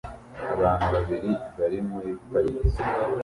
Abantu babiri bari muri parike